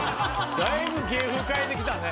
だいぶ芸風変えてきたね。